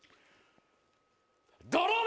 ドローで！